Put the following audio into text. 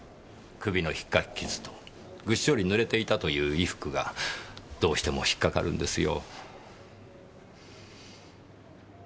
首の引っかき傷とぐっしょり濡れていたという衣服がどうしても引っ掛かるんですよ。